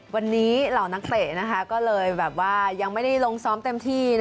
วันนี้เหล่านักเตะก็เลยแบบว่ายังไม่ได้ลงซ้อมเต็มที่